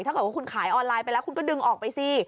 ถ้าเกิดว่าคุณขายออนไลน์ไปแล้วคุณก็ดึงออกไปสิ